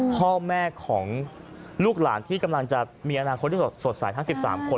พ่อแม่ของลูกหลานที่กำลังจะมีอนาคตที่สดใสทั้ง๑๓คน